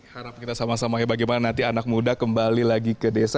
harap kita sama sama ya bagaimana nanti anak muda kembali lagi ke desa